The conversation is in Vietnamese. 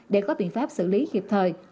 để có biện pháp xử lý kịp thời